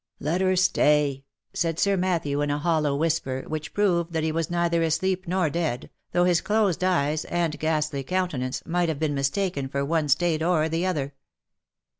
"Let her stay," said Sir Matthew, in a hollow whisper, which proved that he was neither asleep nor dead, though his closed eyes, and ghastly countenance, might have been mistaken for one state or the other.